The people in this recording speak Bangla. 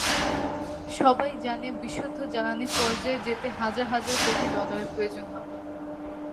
সবাই জানে, বিশুদ্ধ জ্বালানির পর্যায়ে যেতে হাজার হাজার কোটি ডলারের প্রয়োজন হবে।